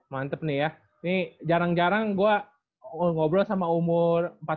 mantep nih ya nih jarang jarang gua ngobrol sama umur empat belas mau lima belas